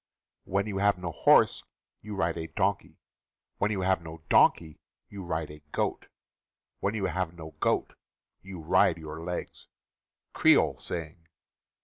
(When you have no horse, you ride a donkey; When you have no donkey, you ride a goat; When you have no goat, you ride your legs.) — Creole Saying.